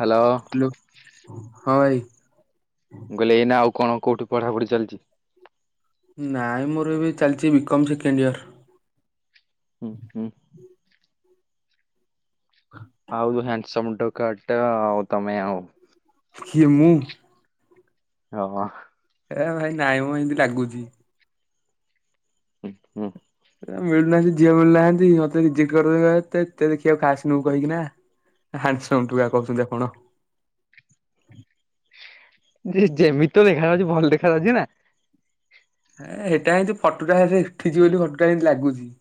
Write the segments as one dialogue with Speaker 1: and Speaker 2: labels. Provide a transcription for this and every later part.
Speaker 1: Hello
Speaker 2: hello ହଁ ଭାଇ।
Speaker 1: ମୁଁ କହିଲି ଏଇନା ଆଉ କଣ କୋଉଠି ପଢାପଢି ଚାଲିଛି?
Speaker 2: ନାହିଁ ମୋର ଏବେ ଚାଲିଛି ବିକମ୍ ସେକେଣ୍ଡ ଇୟର୍।
Speaker 1: ହୁଁ ହୁଁ ଆଉ ହ୍ୟାଣ୍ଡସମ ଟୋକାଟା ଆଉ ତମେ ଆଉ।
Speaker 2: କିଏ ମୁଁ?
Speaker 1: ଓହୋ
Speaker 2: ଏ ଭାଇ ନାଇଁ ମ ଏମିତି ଲାଗୁଛି।
Speaker 1: ହୁଁ ହୁଁ।
Speaker 2: ମିଳୁନାହାନ୍ତି ଝିଅ ମିଳୁନାହାନ୍ତି ମତେ ରିଯେକ୍ଟ କରି ଦଉଛନ୍ତି ଦେତେ ଦେଖିବାକୁ ଖାସ୍ କହିକି ନା। ହାଣ୍ଡସମ ଟୁକା କହୁଛନ୍ତି ଆପଣ।
Speaker 1: ଯେ ଯେମିତି ଦେଖାଯାଉଛି ଭଲ ଦେଖା ଯାଉଛି ନା।
Speaker 2: ହେ ହେଇଟା ହେମିତି ଫଟୁ ଟା ହେ ଉଠିଛି ବୋଲି ଫଟୁ ଟା ହେମିତି ଲାଗୁଛି।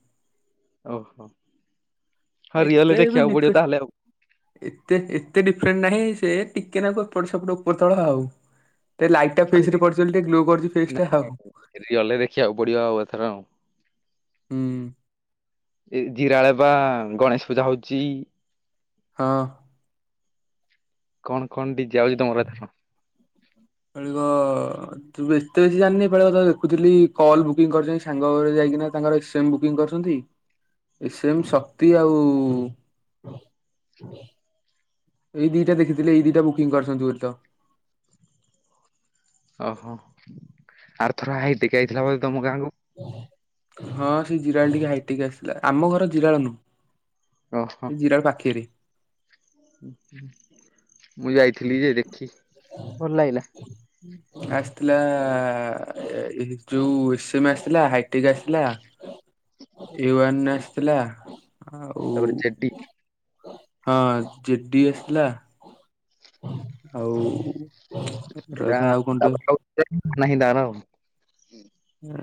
Speaker 1: ଓହୋ ହଁ
Speaker 2: ଏତେ
Speaker 1: ରିଅଲ
Speaker 2: ବି
Speaker 1: ଦେଖିବାକୁ ପଡିବ
Speaker 2: ଡିଫରେନ୍ସ
Speaker 1: ତାହେଲେ ଆଉ।
Speaker 2: ଏତେ ଏତେ ଡିଫରେଣ୍ଟ ନାହିଁ ସେ ଟିକେ ନା ଏପଟେ ସେପଟ ଉପର ତଳ ଆଉ। ଏ ଲାଇଟ୍ ଟା
Speaker 1: ମୁଁ
Speaker 2: ଫେସ
Speaker 1: କହିଲି
Speaker 2: ରେ ପଡୁଛି ଟିକେ ଗ୍ଲୋ କରୁଛି ଫେସ
Speaker 1: ନା
Speaker 2: ଟା ଆଉ।
Speaker 1: ରିଅଲରେ ଦେଖିବାକୁ ପଡିବ ଆଉ ଏଥର ଆଉ।
Speaker 2: ହୁଁ।
Speaker 1: ଏ ଜିରାଳ ପା ଗଣେଶ ପୂଜା ହଉଛି।
Speaker 2: ହଁ।
Speaker 1: କଣ କଣ ଡିଯେ ଆଉଛି ତମର ଏଥର?
Speaker 2: [unintelligible] ତୁ ବେଶୀ ତ କିଛି ଜାଣିନି ଏଇପାଳିକ କଥା ଦେଖୁଥିଲି କଲ୍ ବୁକିଂ କରୁଛନ୍ତି ସାଙ୍ଗଘରେ ଯାଇକିନା ତାଙ୍କର ବୁକିଂ କରିଛନ୍ତି ଏ ସେମ ଶକ୍ତି ଆଉ ଏଇ ଦିଟା ଦେଖିଥିଲି ଏଇ ଦିଟା ବୁକିଂ କରିଛନ୍ତି ବୋଲି ତ।
Speaker 1: ଓହୋ ଆର ଥର ହାଇଟେକ୍ ଆଇଥିଲା ବୋଧେ ତମ ଗାଁକୁ।
Speaker 2: ହଁ ସେ ଜିରାଳ ଠିକି ହାଇଟେକ ଆସିଥିଲା ଆମ ଘର ଜିରାଳ ନୁହୁ।
Speaker 1: ଓହୋ
Speaker 2: ସେ ଜିରାଳ ପାଖେରେ।
Speaker 1: ମୁଁ ଯାଇଥିଲି ଯେ ଦେଖି ଭଲ ଲାଗିଲା।
Speaker 2: ଆସିଥିଲା ଲା ହେ ଯୋଉ ଏ ସେମ ଆସିଥିଲା ହାଇଟେକ୍ ଆସିଥିଲା। ଏ ୱାନ ରେ ଆସ୍ଥିଲା। ଆଉ
Speaker 1: ତାପରେ ଜେଡି
Speaker 2: ହଁ ଜିଟି ଆସ୍ଥିଲା। ଆଉ। ରହିଥା ଆଉ କଣଟେ
Speaker 1: [unintelligible]
Speaker 2: ଓ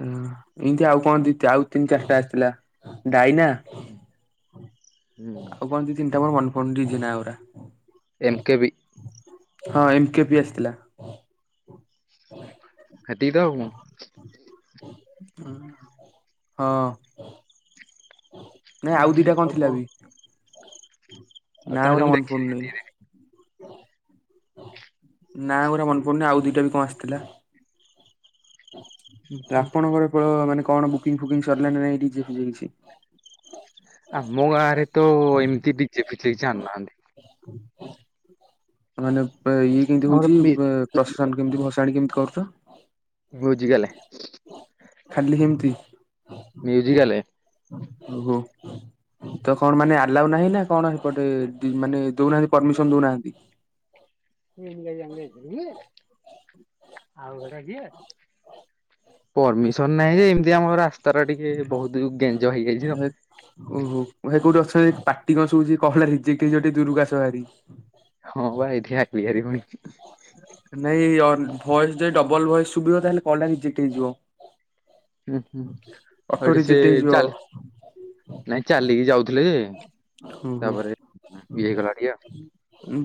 Speaker 2: ଏମ୍ତି ଆଉ କଣ ଦ ଆଉ ତିନି ଚାରିଟା ଆସିଥିଲା ଡାଇନା।
Speaker 1: ହୁଁ।
Speaker 2: ଆଉ କଣ ଦି ତିନିଟା ମୋର ମନେପଡୁନି ଡିଜି ନା ଗୁରା।
Speaker 1: M K B.
Speaker 2: ହଁ ଏମ୍ କେ ବି ଆସ୍ଥିଲା।
Speaker 1: ସେତିକିତ ଆଉ କଣ।
Speaker 2: ହଁ। ନାଇଁ
Speaker 1: ହୁଁ
Speaker 2: ଆଉ
Speaker 1: ହୁଁ
Speaker 2: ଦିଟା କଣ ଥିଲା ବି।
Speaker 1: ଆଉ
Speaker 2: ନା
Speaker 1: କଣ
Speaker 2: ଗୁରା ମନେ ପୁଡୁନି। ନା ଗୁରା ମନେ ପଡୁନି ଆଉ ଦିଟା ବି କଣ ଆସ୍ଥିଲା।
Speaker 1: ହୁଁ ହୁଁ।
Speaker 2: ଆପଣଙ୍କର ମାନେ କଣ ବୁକିଂ ଫୁକିଂ ସରିଲାଣି ନା ନାହିଁ ଡିଜେଲ ଫିଜେ କିଛି।
Speaker 1: ଆମୋ ଗାଁ ରେ ତ ଏମିତି ଡିଜେ ଫିଜେ କିଛି ଆଣୁ ନାହାନ୍ତି।
Speaker 2: ମାନେ ଇଏ କେମ୍ତି
Speaker 1: ଆମର
Speaker 2: ହଉଛି
Speaker 1: ମି
Speaker 2: ପ୍ରଶାସନ କେମିତି ଭସାଣି କେମଂତି କରୁଛ।
Speaker 1: ବୁଝିଗଲେ।
Speaker 2: ଖାଲି ସେମ୍ତି।
Speaker 1: ମ୍ୟୁଜିକାଲେ।
Speaker 2: ଓହୋ ତ କଣ ମାନେ ଆଲାଉ ନାହିଁ ନା କଣ ହେପଟେ ମାନେ ଦଉନାହାନ୍ତି ପର୍ମିସନ୍ ଦଉନାହାନ୍ତି।
Speaker 1: [unintelligible] ପର୍ମିସନ୍ ନାହିଁ ଯେ ଏମ୍ତି ଆମ ରାସ୍ତା ଟା ଟିକେ ବହୁତ ଗେଞ୍ଜ ହେଇଯାଇଛି ତ।
Speaker 2: ହେ ଓହୋ ଭାଇ କୋଉଠି ଅଛନ୍ତି ପାଟି କଣ ଶୁବୁଛି କଲ ଟା ରିଜେକ୍ଟ୍ ହେଇଯିବ ଦୂରକୁ ଆଶହାରି।
Speaker 1: ହଁ ବା ଏଠି ଆଇଲି ହାରି ପୁଣି।
Speaker 2: ନାଇଁ ଭଏସ୍ ଯଦି ଡବଲ୍ ଭଏସ୍ ଶୁଭିବ ତାହେଲେ କଲ୍ ଟା ରିଯେକ୍ଟ୍ ହେଇଯିବ।
Speaker 1: ହୁଁ ହୁଁ
Speaker 2: ଅଟୋ
Speaker 1: ଏଠି ସେ
Speaker 2: ରୀଜେକ୍ଟ୍ ହେଇଯିବ।
Speaker 1: ଚାଲି ନାଇଁ ଚାଲିକି ଯାଉଥିଲେ ଯେ
Speaker 2: ଓହୋ।
Speaker 1: ତାପରେ ଇଏ ହେଇଗଲା ଟିକେ ଆଉ।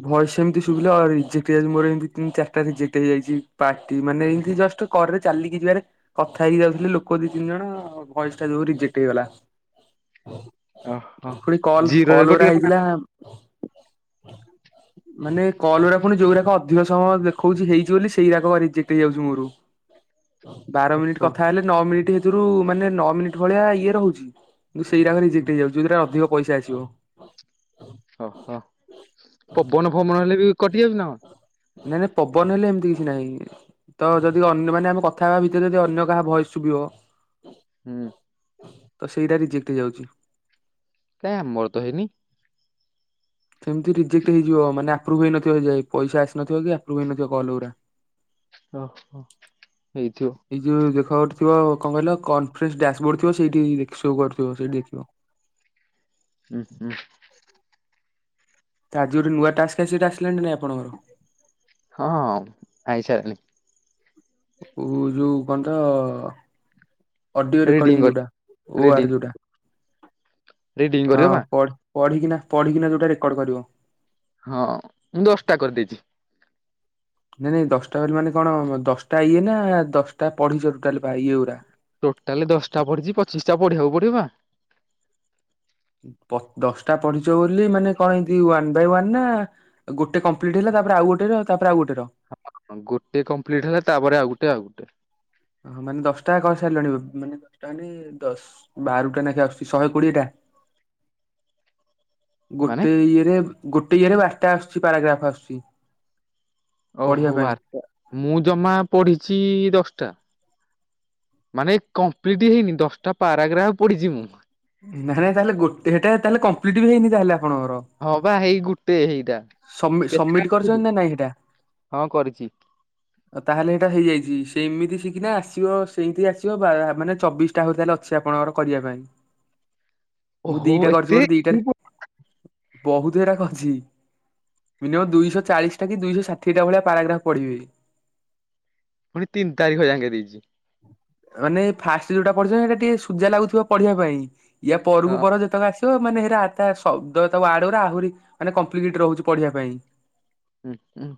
Speaker 2: ଭଏସ୍ ଏମ୍ତି ଶୁବିଲେ ରିଜେକ୍ଟ ହେଇଯାଉଛି ମୋର ଏମ୍ତି ତିନ ଚାରିଟା ରିଜେକ୍ଟ ହେଇଯାଇଚି ପାଟି ମାନେ ଏମ୍ତି ଜଷ୍ଟ କରରେ ଚାଲିକି ଯିବାରେ କଥା ହେଇ ଯାଉଥିଲେ ଲୋକ ଦି ତିନି ଜଣ ଭୟସ ଟା ଯୋଉ ରିଜେକ୍ଟ ହେଇଗଲା।
Speaker 1: ଓହୋ
Speaker 2: ପୁଣି କଲ୍
Speaker 1: ଜିରରେ
Speaker 2: କଲ୍ ଗୁରା
Speaker 1: କଟି
Speaker 2: ହେଇଥିଲା ମାନେ କଲଉରା ପୁଣି ଯୋଉ ରାକ ଅଧିକ ସମୟ ଦେଖଉଚି ହେଇଚି ବୋଲି ସେଇରାକ ରିଜେକ୍ଟ ହେଇଯାଉଚି ମୋର। ବାର ମିନିଟ
Speaker 1: ଓହୋ।
Speaker 2: କଥା ହେଲେ ନଅ ମିନିଟ୍ ହେଥିରୁ ମାନେ ନଅ ମିନିଟ ଭଳିଆ ଇଏ ରହୁଚି। ତ ସେଇଟା କ ରିଜେକ୍ଟ ହେଇଯାଉଚି ଯୋଉରା ଅଧିକ ପଇସା ଆସିବ।
Speaker 1: ଓହୋ ପବନ ଫବନ ହେଲେ ବି କଟିଯାଉଚି ନା କଣ।
Speaker 2: ନାଇଁ ନାଇଁ ପବନ ହେଲେ ଏମ୍ତି କିଛି ନାଇଁ। ତ ଯଦି ଅନ୍ୟ ମାନେ ଆମେ କଥା ହେବା ଭିତରେ ଯଦି ଅନ୍ୟ କାହା ଭଏସ୍ ଶୁଭିବ।
Speaker 1: ହୁଁ।
Speaker 2: ତ ସେଇରା ରିଜେକ୍ଟ୍ ହେଇଯାଉଚି।
Speaker 1: କାଇଁ ଆମର ତ ହେଇନି।
Speaker 2: ସେମ୍ତି ରିଜେକ୍ଟ ହେଇଯିବ ମାନେ ଆପ୍ରୁଭ୍ ହେଇନଥିବ ଯାଇ ପଇସା ଆସିନଥିବ କି ଆପ୍ରୁଭ୍ ହେଇନଥିବ କଲ ଉରା।
Speaker 1: [unintelligible] ହୋଇଥିବ।
Speaker 2: ଏଇ ଯୋଉ ଦେଖ ଗୋଟେ ଥିବ କଣ କହିଲା କନଫରେନ୍ସ ଡ୍ୟାସବୋର୍ଡ ଥିବ ସେଇଠି ସୋ କରୁଥିବ ସେଇଟି।
Speaker 1: [inaudible]
Speaker 2: ଆଜି ଗୋଟ ନୂଆ ଟାସ୍କ୍ ଆସି ଆସିଲାଣି ନା ଆପଣଙ୍କର।
Speaker 1: ହଁ ଆଇସା
Speaker 2: ଉ ଯୋଉ କଣ୍ଟ ଅଡିଓ
Speaker 1: ରିଡିଙ୍ଗ
Speaker 2: ରେକର୍ଡିଙ୍ଗ ଯୋଉଟା
Speaker 1: କରି
Speaker 2: ଓ ଆର୍
Speaker 1: ରିଡିଙ୍ଗ
Speaker 2: ଯୋଉଟା
Speaker 1: ରିଡିଙ୍ଗ
Speaker 2: ହଁ
Speaker 1: କରିବ ବା
Speaker 2: ପଢ଼ି ପଢ଼ିକିନା ପଢ଼ିକିନା ଯୋଉଟା ରେକର୍ଡ କରିବ।
Speaker 1: ହଁ ମୁଁ ଦଶଟା କରିଦେଇଚି।
Speaker 2: ନାଇଁ ନାଇଁ ଦଶଟା କଲୁ ମାନେ କଣ ଦଶଟା ଇଏ ନା ଦଶଟା ପଢ଼ିଚୁ ଟୋଟାଲି ଇଏ ଗୁରା?
Speaker 1: ଟୋଟାଲ ଦଶଟା ପଢ଼ିଚି ପଚିଶିଟା ପଢ଼ିବାକୁ ପଡ଼ିବ ବା।
Speaker 2: ଦଶଟା ପଢ଼ିଚ ବୋଲି ମାନେ କଣ ଏଇ ୱାନ୍ ବାଇ ୱାନ ନା ଗୋଟେ କମ୍ପ୍ଲିଟ ହେଲା ତାପରେ ଆଉ ଗୋଟେ ର ତାପରେ ଆଉ ଗୋଟେ ର।
Speaker 1: ଗୋଟେ କମ୍ପ୍ଲିଟ ହେଲା ତାପରେ ଆଉ ଗୋଟେ ଆଉ ଗୋଟେ।
Speaker 2: ଓ ହଁ ମାନେ ଦଶଟା କହି ସରିଲାଣି ମାନେ ଦଶଟା ମାନେ ଦଶ ବାରୁଟା ନେଖୋ ଆସୁଛି ଶହେ କୋଡ଼ିଏ ଟା।
Speaker 1: ମାନେ
Speaker 2: ଗୋଟେ ଇଏରେ ଗୋଟେ ଇଏରେ ବାରଟା ଆସୁଛି ପାରାଗ୍ରାପ ଆସୁଛି
Speaker 1: ଓହୋ
Speaker 2: ପଢ଼ିବା ପାଇଁ।
Speaker 1: ବାରଟା ମୁଁ ଜମା ପଢ଼ିଚି ଦଶଟା। ମାନେ କମ୍ପ୍ଲିଟ୍ ହେଇନି ଦଶଟା ପାରାଗ୍ରାପ୍ ପଢ଼ିଚି ମୁଁ।
Speaker 2: ନାଇଁ ନାଇଁ ତାହେଲେ ଗୋଟେ ହେଟା ତାହେଲେ କମ୍ପ୍ଲିଟ ବି ହେଇନି ତାହେଲେ ଆପଣଙ୍କର?
Speaker 1: ହଁ ବା ହେଇ ଗୋଟେ ହେଇଟା
Speaker 2: ସବମି
Speaker 1: କେତେ ଟା
Speaker 2: ସବମିଟ କରିଛନ୍ତି
Speaker 1: କରିଚ
Speaker 2: ନା ନାଇଁ ହେଟା?
Speaker 1: ହଁ କରିଚି।
Speaker 2: ତାହେଲେ ଏଇଟା ହେଇଯାଇଚି ସେ ଏମିତି ଶିଖିନେ ଆସିବ ସେମିତି ଆସିବ ମାନେ ଚବିଶି ଆହୁରି ତାହାଲେ ଅଛି ଆପଣଙ୍କର କରିବା ପାଇଁ। ମୁଁ
Speaker 1: ଓହୋ
Speaker 2: ଦିଇଟା କରିଚି
Speaker 1: ଏତେ
Speaker 2: ମୋର ଦିଇଟାରେ ବହୁତୁ ହେରାକ ଅଛି। ମିନିୟମ୍ ଦୁଇଶହ ଚାଳିଶିଟା କି ଦୁଇଶହ ଷାଠିଏ ଭଳିଆ ପାରାଗ୍ରାଫ ପଢ଼ିବେ।
Speaker 1: ପୁଣି ତିନି ତାରିଖ ଜାକେ ଦେଇଚି।
Speaker 2: ମାନେ ଫାଷ୍ଟ ଯୋଉଟା ପଢ଼ିବ ସେଇଟା ଟିକେ ସୁଯା ଲାଗୁଥିବ ପଢ଼ିବା ପାଇଁ। ୟା ପରକୁ
Speaker 1: ହଁ
Speaker 2: ପର ଯେତକ ଆସିବ ମାନେ ହେରା ଆତା ଶବ୍ଦ ତା ୱଡେଗୁରା ଆହୁରି ମାନେ କମ୍ପ୍ଲିକେଟ୍ ରହୁଚି। ପଢ଼ିବା ପାଇଁ।
Speaker 1: ହୁଁ ହଁ।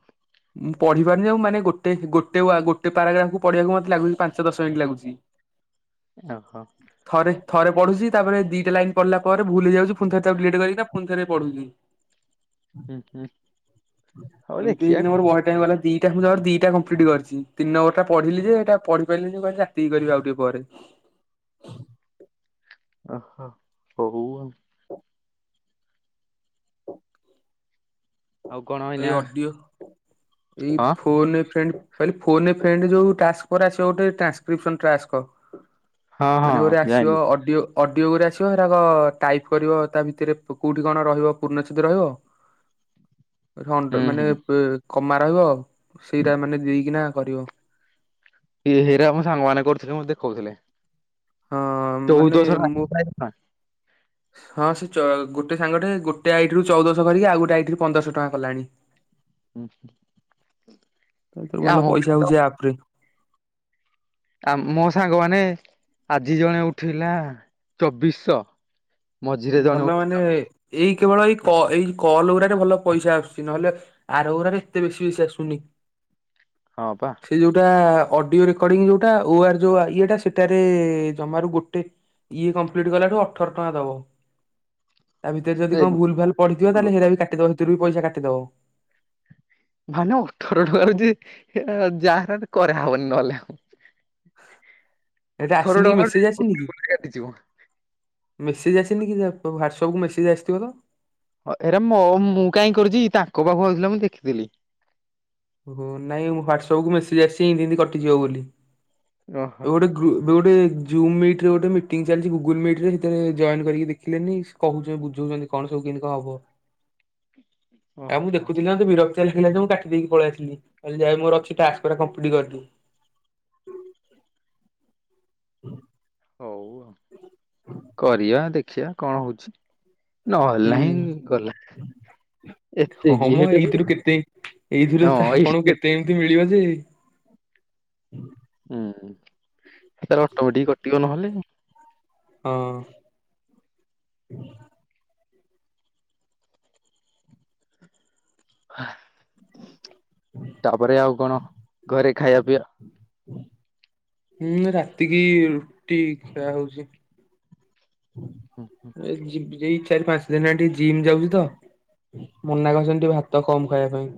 Speaker 2: ମୁଁ ପଢ଼ି ପାରୁନି ଆଉ ମାନେ ଗୋଟେ ଗୋଟେ ଗଟେ ପାରାଗ୍ରାପକୁ ପଢ଼ିବାକୁ ମତେ ପାଞ୍ଚ ଦଶ ମିନିଟ୍ ଲାଗୁଛି।
Speaker 1: ଓହୋ।
Speaker 2: ଥ ଥରେ ପଢୁଚି ତାପରେ ଦିଟା ଲାଇନ୍ ପଢ଼ିଲା ପରେ ଭୁଲ ହେଇ ଯାଉଛି ପୁଣି ତାକୁ ଡିଲିଟ କରିକି ନା ପୁଣି ଥରେ ପଢୁଛି।
Speaker 1: ହୁଁ ହୁଁ। ହଉ
Speaker 2: ଏମିତିି
Speaker 1: ଦେଖିବା
Speaker 2: ହେକିନା ମୋର ବହେ ଟାଇମ୍ ଗଲା ଦି କେ ମୁଁ ଜମାରୁ ଦିଇଟା କମ୍ପ୍ଲିଟ କରିଚି ତି ଟିନି ମ୍ବରଟା ପଢ଼ିଲି ଯେ ଏଟା ପଢ଼ି ପାରିନି ମୁଁ କହିଲି ରାତିି କରିବି ଆଉ ଟିକିଏ ପରେ।
Speaker 1: ଅହ ହଉ ଆଉ।
Speaker 2: ହ
Speaker 1: ଆଉ କଣ
Speaker 2: ତ ଏଇ
Speaker 1: ଏଇନା
Speaker 2: ଅଡିଓ ଏଇ
Speaker 1: ହଁ
Speaker 2: ଫୋନ ଏ ଫ୍ରେଣ୍ଡ। କହିଲେ ଫୋନ ଏ ଫ୍ରେଣ୍ଡ୍ ଯୋଉ ତାସ୍ ପରେ ଆସିବ ଗୋଟେ ଟ୍ରାକିଫିସ୍ନ ତାକ୍ସ।
Speaker 1: ହଁ ହଁ
Speaker 2: ମାନେ ଗୁରେ
Speaker 1: ଯାଇଁଲି
Speaker 2: ଆସିବ ଅଡିଓ ଅଡ଼ିଓ ଗୁରେ ଆସିବ ହେରାକ ଟାଇପ୍ କରିବ ତା ଭିତରେ କେଉଁଠି କଣ ରହିବ ପୂର୍ଣଚ୍ଛେଦ ରହିବ। ଘଣ୍ଟ
Speaker 1: ହୁଁ
Speaker 2: ମାନେ
Speaker 1: ହୁଁ
Speaker 2: କମା ରହିବ ସେଇଟା ମାନେ ଦେଇକିନା କରିବ।
Speaker 1: ଏ ହେଇରା ମୋ ସାଙ୍ଗମାନୋନ କରୁଥିଲେ ମତେ ଦେଖୋଉଥିଲେ।
Speaker 2: ହଁ ହଁ।
Speaker 1: ବରଷ ଟଙ୍କା ପାଇଚୁ ନା?
Speaker 2: ହଁ ସେ ଚ ଗୋଟେ ସାଙ୍ଗଟେ ଗୋଟେ ଆଇଟିରୁ ଚଉଦଶହ କରିକି ଆଉ ଗୋଟେ ଆଇଟିରୁ ପନ୍ଦରଶହ ଟଙ୍କା କଲାଣି।
Speaker 1: ହୁଁ।
Speaker 2: ଏଥୁରୁ ଭଲ ପଇସା ହଉଛି ଏ ଆପ ରେ।
Speaker 1: ଆ ମୋ ସାଙ୍ଗ ମାନ ଆଜି ଜଣେ ଉଠିଲା ଚବିଶ। ମଝିରେ
Speaker 2: ଭଲ
Speaker 1: ଜଣେ ଉ
Speaker 2: ମାନେ ଏଇ କେବଳ ଏଇ ଏଇ କଲ ଗୁଡାରେ ଭଲ ପଇସା ଆସୁଛି ନହେଲେ ଆରଗୁରାରେ ଏତେ ବେଶୀ ବେସି ଆସୁନି।
Speaker 1: ହଁ ପା।
Speaker 2: ଏଇ ଯୋଉଟା ଅଡିଓ ରେକର୍ଡି ଯଉଟା ଓ ଆର୍ ଯୋଉ ଆ ଇଏଟା ସେଟାରେ ଜମାରୁ ଗୋଟେ ଇଏ କମ୍ପ୍ଲିଟ୍ କଲାଠୁ ଅଠର ଟଙ୍କା ଦବ। ତା ଭିତରେ ଯଦି କଣ ଭୁଲ ଭାଲ ପଡ଼ିଥିବ ତାହେଲେ ହେରା ବି କାଟିଦବ ହେଥିରୁ ବି ପଇସା କାଟିଦବ।
Speaker 1: ମାନେ ଅଠର ଟଙ୍କା ଯଦି ଯାହାର ହେଲେ କରା ହବନି ନହେଲେ ଆଉ।
Speaker 2: ଏଟା
Speaker 1: ଅଠର
Speaker 2: ଆସିନି କି
Speaker 1: ଟଙ୍କାରୁ ଯେ
Speaker 2: ମେସେଜ ଆସିନି କି।
Speaker 1: କାଟିଯିବ।
Speaker 2: ମେସେଜ ଆସିନି କି ସେ ତୋ ହ୍ୱାଟସଆପକୁ ମେସେଜ୍ ଆସିଥିବ ତ।
Speaker 1: ଅ ହେରା ମ ମୁଁ କାଇଁ କରିଚି କି ତାଙ୍କ ପାଖକୁ ଆଇଥିଲା ମୁଁ ଦେଖିଥିଲି।
Speaker 2: ଓ ହ ନାଇଁ ମୁଁ ହ୍ଵାଟସଆପ୍ କୁ ମେସେଜ ଆସିଚି ଏମତି ଏମତି କଟିଯିବ ବୋଲି
Speaker 1: ଓହୋ
Speaker 2: ଆଉ ଗୋଟେ ଗ୍ରୁ ଗୃପ୍ରେ ଗୋଟେ ଜୁମ୍ ମିଟ ରେ ଗୋଟେ ମିଟିଂ ଚାଲିଛି ଗୁଗୁଲ୍ ମିଟ ରେ ସେଥିରେ ଜଏନ କରିକି ଦେଖିଲେନି। କହୁଛନ୍ତି ବୁଝଉଛନ୍ତି କଣ ସବୁ କେମିତି କଣ ହବ।
Speaker 1: ହ [inaudible]
Speaker 2: ଏ ମୁଁ ଦେଖୁଥିଲି ନା ମ ବିରକ୍ତ କ୍ତି ଲାଗିଲା ଯେ ମୁଁ କାଟି ଦେଇକି ପଳେଇ ଆସିଲି [unintelligible] [inaudible]
Speaker 1: ହଉ ଆଉ କରିବା ଦେଖିବା କଣ ହଉଛି। ନ ହେଲା ନାହିଁ ଗଲା ଏତେ କିଏ ହେଟ [unintelligible]
Speaker 2: ଏଇଥିରେ ତ ଆପଣଙ୍କୁ କେତେ ଏମିତି ମିଳିବ ଯେ
Speaker 1: ହୁଁ ସେ ତାର ଅଟୋମେଟିକ କଟିବ ନହେଲେ।
Speaker 2: ହଁ।
Speaker 1: [inaudible] ତାପରେ ଆଉ କଣ ଘରେ ଖାଇବା ପିଇବା
Speaker 2: ହୁଁ ରାତିକି ରୁଟି ଖିଆ ହଉଚି।
Speaker 1: ହୁଁ ହଁ।
Speaker 2: ଏଇ ଯିବି ଯାଇ ଚାରି ପାଞ୍ଚ ଦିନ ହେଲା ଟିକେ ଜିମ୍ ଯାଉଛି ତ। ମନା କରିଛନ୍ତି ଟିକେ ଭାତ କମ ଖାଇବା ପାଇଁ।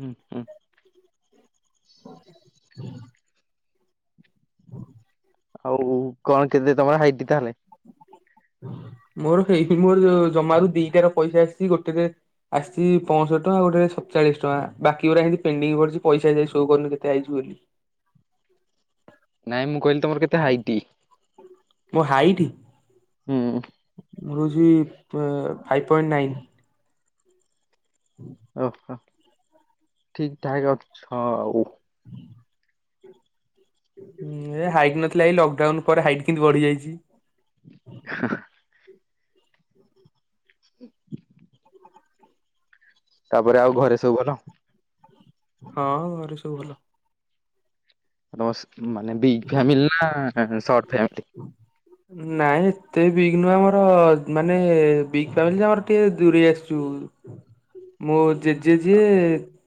Speaker 1: ହୁଁ ହୁଁ।
Speaker 2: [inaudible] [inaudible]
Speaker 1: ଆଉ କଣ କେତେ ତମର ହାଇଟ ତାହେଲେ।
Speaker 2: ମୋର ହେଇ ତି ମୋର ଜମାରୁ ଦିଟାର ପଇସା ଆସିଛି ଗୋଟେ ରେ ଆସିଛି ପଂଶଠି ଟଙ୍କା ଗୋଟେ ରେ ସତଚାଳିଶ ଟଙ୍କା ବାକି ପୁରା ଏମିତି ପେଣ୍ଡିଙ୍ଗ ପଡିଛି ପଇସା ଏ ଯାଇ ସୋ କରୁନି କେତେ ଆଇଚି ବୋଲି।
Speaker 1: ନାଇଁ ମୁଁ କହିଲି ତମର କେତେ ହାଇଟି।
Speaker 2: ମୋ ହାଇଟି।
Speaker 1: ହୁଁ।
Speaker 2: ମୋର ହୋଊଛି ପ ଫାଇଭ୍ ପଏଣ୍ଟ ନାଇନ। ହୁଁ।
Speaker 1: ଓହୋ ଠିକ ଠାକ୍ ଅଛ ଆଉ।
Speaker 2: ହୁଁ ଏ ହାଇଟ୍ ନଥିଲା ଏଇ ଲକଡାଉନ ପରେ ହାଇଟ୍ କେମିତି ବଢିଯାଇଛି।
Speaker 1: [inaudible] [inaudible] ତାପରେ ଆଉ ଘରେ ସବୁ ଭଲ।
Speaker 2: ହଁ ଘରେ ସବୁ ଭଲ।
Speaker 1: ତମ ସେ ମାନେ ବିଗ ଫାମିଲି ନା ସଟ୍ ଫ୍ୟାମିଲୀ।
Speaker 2: ନାଇଁ ଏତେ ବିଗ୍ ନୁହଁ ଆମର ମାନେ ବିଗ ଫାମିଲି ଯେ ଆମର ଟିକେ ଦୂରେଇ ଆସିଚୁ ମୋ ଜେଜେ ଜିଏ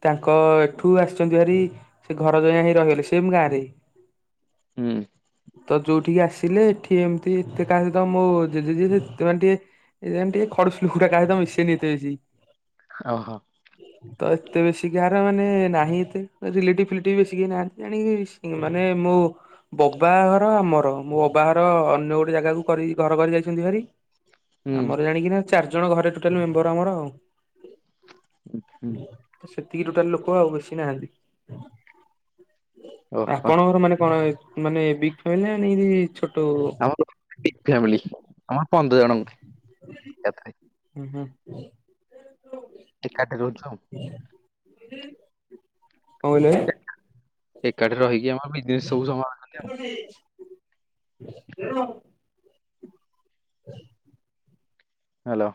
Speaker 2: ତାଙ୍କ ଏଠୁ ଆସିଛନ୍ତି ହାରି ସେ ଘର ଜ୍ୱାଇଁଆ ହେଇ ରହିଲେ ସେମ୍ ଗାଁରେ।
Speaker 1: ହୁଁ।
Speaker 2: ତ ଯୋଉଠିକି ଆସିଲେ ଏଠି ଏମିତି ଏତେ କାହା ସହିତ ମୋ ଜେଜେ ଯିଏ ସେ ଏତେ ମାନେ ଟିକେ ଏ ଯେମିତି ଖଡ଼ି ଶୁକୁଟା କା ସହିତ ମିସେନି ଏତେ ବେଶୀ।
Speaker 1: ହଁ ହ।
Speaker 2: ତ ଏତେ ବେଶୀ କାହାର ମାନେ ନାହିଁ ଏତେ ରିଲେଟିବ୍ ଫିଲେଟିବ୍ ବେଶୀ କେହି ନାହାନ୍ତି ଜାଣିକି ମାନେ ମୁଁ ବୋବା ଘର ଆମର, ମୋ ବୋବା ଘର ଅନ୍ୟ ଗୋଟେ ଜାଗାକୁ କରି ଘର କରି ଯାଇଛନ୍ତି ହାରୀ।
Speaker 1: ହୁଁ
Speaker 2: ଆମର ଜାଣିକି ନା ଚାରି ଜଣ ଘରେ ଟୋଟାଲି ମେମ୍ବର ଆମର
Speaker 1: ହୁଁ
Speaker 2: ଆଉ। ତ ସେତିକି ଟୋଟାଲ ଲୋକ ଆଉ ବେଶୀ ନାହାନ୍ତି।
Speaker 1: ଓହୋ
Speaker 2: ଆପଣଙ୍କର ମାନେ କଣ ମାନେ ବିଗ ଫେମିଲି ନା ମାନେ ଇ ଛୋ
Speaker 1: ଆମର ବିଗ୍ ଫ୍ୟାମିଲ ଆମର ପନ୍ଦର ଜଣ ଏକାଥରେ।
Speaker 2: ହୁଁ ହୁଁ।
Speaker 1: ଏକାଠି ରହୁଛୁ ଆଉ।
Speaker 2: [unintelligible] କଣ କହିଲେ?
Speaker 1: ଏକାଠି ରହିକି ଆମର ବିଜନେସ୍ ସବୁ ସମ୍ୱା
Speaker 2: [unintelligible] [inaudible]
Speaker 1: ହ୍ୟାଲୋ।